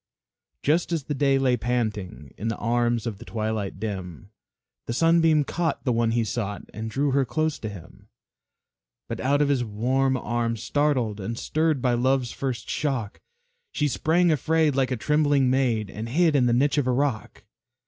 Just as the day lay panting In the arms of the twilight dim, The Sunbeam caught the one he sought And drew her close to him. But out of his warm arms, startled And stirred by Love's first shock, She sprang afraid, like a trembling maid, And hid in the niche of a rock.